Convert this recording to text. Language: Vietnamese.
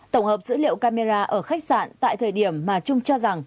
tổng hợp dữ liệu camera ở khách sạn tại thời điểm mà trung cho rằng